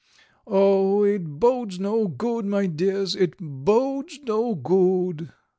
Oh, it bodes no good, my dears, it bodes no good!"